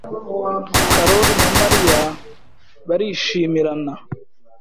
Karoli na Mariya barishimirana.